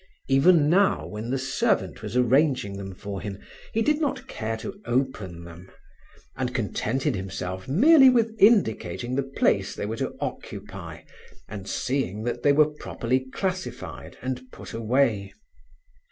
Even now when the servant was arranging them for him, he did not care to open them, and contented himself merely with indicating the place they were to occupy and seeing that they were properly classified and put away.